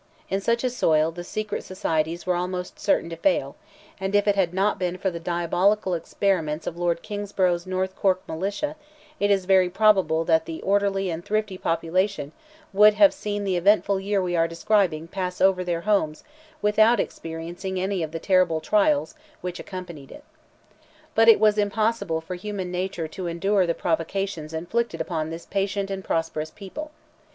In such a soil, the secret societies were almost certain to fail, and if it had not been for the diabolical experiments of Lord Kingsborough's North Cork Militia, it is very probable that that orderly and thrifty population would have seen the eventful year we are describing pass over their homes without experiencing any of the terrible trials which accompanied it. But it was impossible for human nature to endure the provocations inflicted upon this patient and prosperous people.